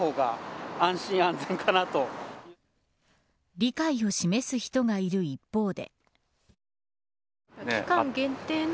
理解を示す人がいる一方で。